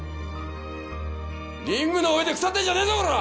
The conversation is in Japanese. リングの上で腐ってんじゃねえぞコラ！